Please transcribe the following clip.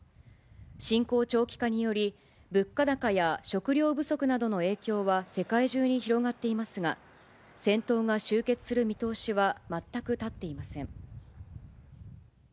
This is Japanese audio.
侵攻長期化により、物価高や食料不足などの影響は世界中に広がっていますが、戦闘が終結する見通しは全く立っていません。